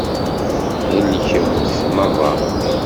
Thelkemt meṛṛa.